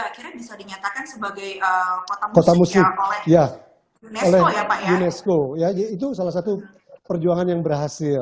akhirnya bisa dinyatakan sebagai kota musim oleh unesco ya itu salah satu perjuangan yang berhasil